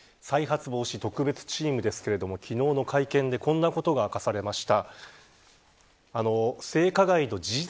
再発防止特別チームですけれども昨日の会見でこんなことが明かされました。